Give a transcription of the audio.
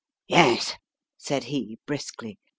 "Yes," said he, briskly.